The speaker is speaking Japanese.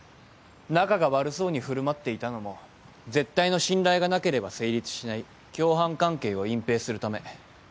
仲が悪そうに振る舞っていたのも絶対の信頼がなければ成立しない共犯関係を隠蔽するため。